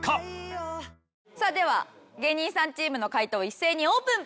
さあでは芸人さんチームの解答一斉にオープン！